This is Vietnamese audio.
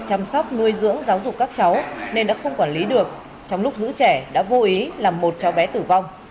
chăm sóc nuôi dưỡng giáo dục các cháu nên đã không quản lý được trong lúc giữ trẻ đã vô ý làm một cháu bé tử vong